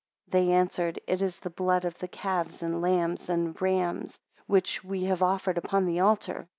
They answered, It is the blood of calves, lambs, and rams, which we have offered upon the altar.